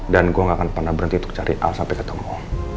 dan gue gak akan pernah berhenti cari al sampai ketemu